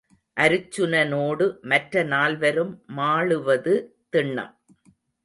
அருச்சுனனோடு மற்ற நால்வரும் மாளுவது திண்ணம்.